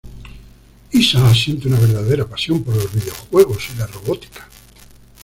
Issa siente una verdadera pasión por los videojuegos y la robótica.